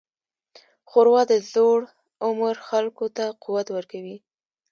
ښوروا د زوړ عمر خلکو ته قوت ورکوي.